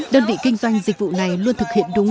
đơn vị kinh doanh dịch vụ này luôn thực hiện đúng